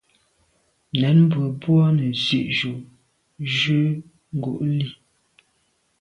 Ndɛ̂mbə̄ bū à’ zí’jú jə̂ ngū’ lî.